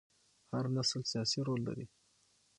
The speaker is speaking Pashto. هر نسل سیاسي رول لري